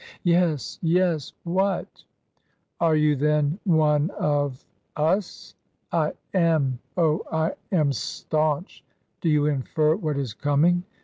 " Yes— yes— wA^/f f" "Are you, then, one of — us ?'" I am. Oh, I am staunch !*'" Do you infer what is coming